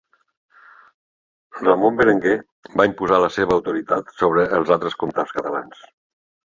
Ramon Berenguer va imposar la seva autoritat sobre els altres comtats catalans.